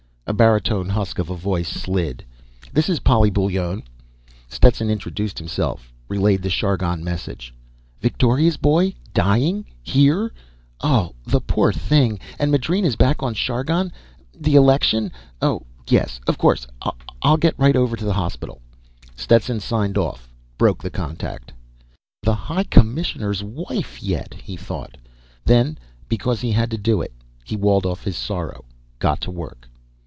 A baritone husk of a voice slid: "This is Polly Bullone." Stetson introduced himself, relayed the Chargon message. "Victoria's boy dying? Here? Oh, the poor thing! And Madrena's back on Chargon ... the election. Oh, yes, of course. I'll get right over to the hospital!" Stetson signed off, broke the contact. The High Commissioner's wife yet! he thought. Then, because he had to do it, he walled off his sorrow, got to work.